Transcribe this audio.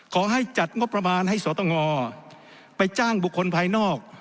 จัดงบประมาณให้สตงไปจ้างบุคคลภายนอก